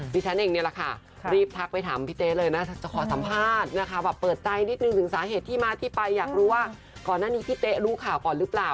ฉันเองนี่แหละค่ะรีบทักไปถามพี่เต๊เลยนะจะขอสัมภาษณ์นะคะแบบเปิดใจนิดนึงถึงสาเหตุที่มาที่ไปอยากรู้ว่าก่อนหน้านี้พี่เต๊ะรู้ข่าวก่อนหรือเปล่า